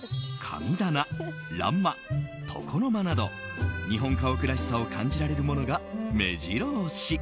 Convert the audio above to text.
神棚、欄間、床の間など日本家屋らしさを感じられるものが、目白押し。